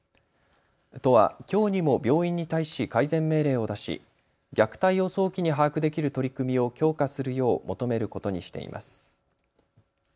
都はきょうにも病院に対し改善命令を出し、虐待を早期に把握できる取り組みを強化するよう求めることにしています。